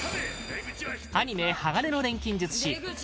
アニメ「鋼の錬金術師」